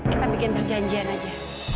kita bikin perjanjian aja